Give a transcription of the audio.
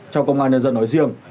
trong công an nhân dân nói riêng